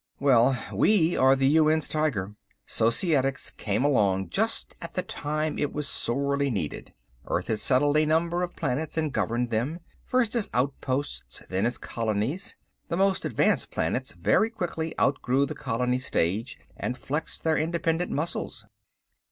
"Well we are the UN's tiger. Societics came along just at the time it was sorely needed. Earth had settled a number of planets, and governed them. First as outposts, then as colonies. The most advanced planets very quickly outgrew the colony stage and flexed their independent muscles.